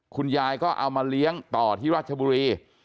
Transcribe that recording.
คุณยายก็เอามาเลี้ยงต่อที่ราชบุรี